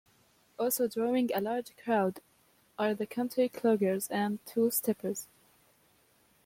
Also drawing a large crowd are the country cloggers and two-steppers.